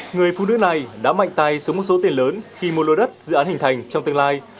người phụ nữ này đã mạnh tay sống một số tiền lớn khi mua lô đất dự án hình thành trong tương lai